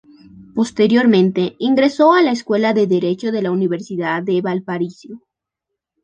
Posteriormente ingresó a la Escuela de Derecho de la Universidad de Valparaíso.